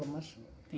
sampai kamis enam hari